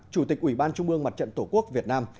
chủ tịch ủy ban trung ương mặt trận tổ quốc việt nam